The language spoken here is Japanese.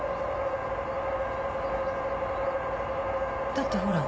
だってほら。